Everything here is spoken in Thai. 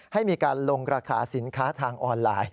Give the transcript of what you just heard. ให้มีการลงราคาสินค้าทางออนไลน์